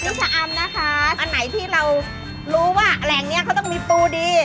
ชะอำนะคะอันไหนที่เรารู้ว่าแหล่งเนี้ยเขาต้องมีปูดี